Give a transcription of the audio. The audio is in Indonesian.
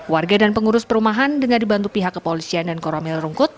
warga dan pengurus perumahan dengan dibantu pihak kepolisian dan koramil rungkut